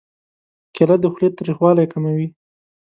کېله د خولې تریخوالی کموي.